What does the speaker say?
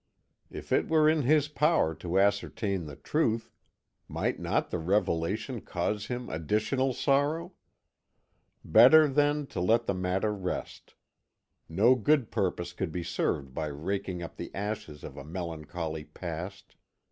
If it were in his power to ascertain the truth, might not the revelation cause him additional sorrow? Better, then, to let the matter rest. No good purpose could be served by raking up the ashes of a melancholy past.